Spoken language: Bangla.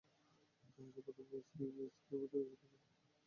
ইতিপূর্বে পিএসসি, জেএসসি থেকে শুরু করে বিসিএস পরীক্ষার প্রশ্নও ফাঁস হয়েছে।